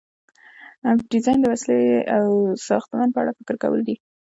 ډیزاین د وسیلې او ساختمان په اړه فکر کول دي.